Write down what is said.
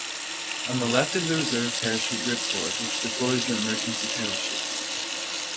On the left is the reserve parachute ripcord, which deploys the emergency parachute.